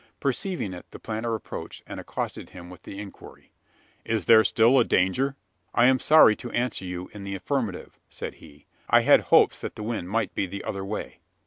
Perceiving it, the planter approached, and accosted him with the inquiry: "Is there still a danger?" "I am sorry to answer you in the affirmative," said he: "I had hopes that the wind might be the other way."